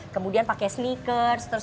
kemudian pakai sneakers